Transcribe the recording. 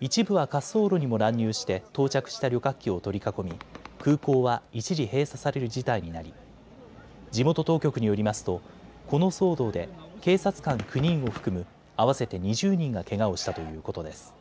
一部は滑走路にも乱入して到着した旅客機を取り囲み空港は一時閉鎖される事態になり地元当局によりますとこの騒動で警察官９人を含む合わせて２０人がけがをしたということです。